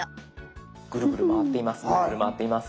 ぐるぐる回っています